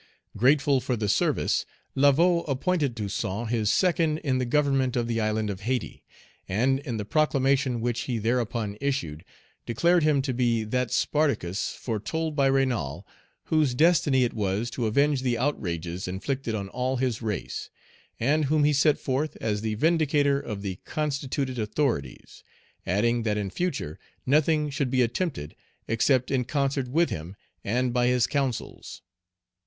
Grateful for the service, Laveaux appointed Toussaint his second in the government of the island of Hayti, and, in the proclamation which he thereupon issued, declared him to be that Spartacus, Page 83 foretold by Raynal, whose destiny it was to avenge the outrages inflicted on all his race; and whom he set forth as the vindicator of the constituted authorities, adding that in future nothing should be attempted except in concert with him, and by his counsels.